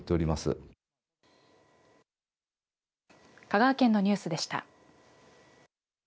香川県のニュースでした。